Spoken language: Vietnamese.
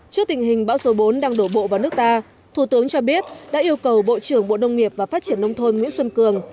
trước tình hình bão số bốn đang đổ bộ vào nước ta thủ tướng cho biết đã yêu cầu bộ trưởng bộ nông nghiệp và phát triển nông thôn nguyễn xuân cường